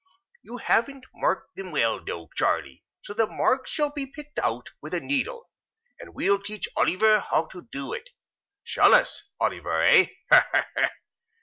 You haven't marked them well, though, Charley; so the marks shall be picked out with a needle, and we'll teach Oliver how to do it. Shall us, Oliver, eh? Ha! ha! ha!"